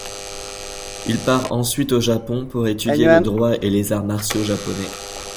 Il part ensuite au Japon, pour étudier le droit et les arts martiaux japonais.